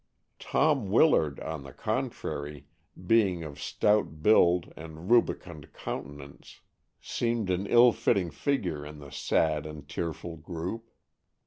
Tom Willard, on the contrary, being of stout build and rubicund countenance, seemed an ill fitting figure in the sad and tearful group.